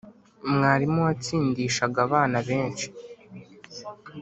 mwarimu watsindishaga abana benshi